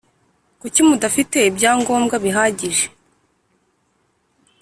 Kuki mudafite ibyangombwa bihagije